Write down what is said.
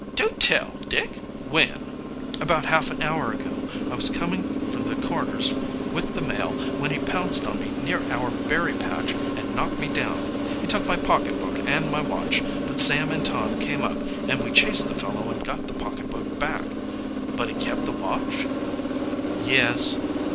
"Do tell, Dick! When?" "About half an hour ago. I was coming from the Corners with the mail, when he pounced on me near our berry patch and knocked me down. He took my pocketbook and my watch, but Sam and Tom came up, and we chased the fellow and got the pocketbook back." "But he kept the watch?" "Yes."